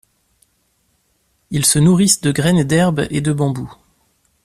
Ils se nourrissent de graines d'herbes et de bambous.